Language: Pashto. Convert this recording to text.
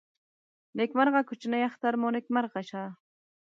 نیکمرغه کوچني اختر مو نیکمرغه ښه.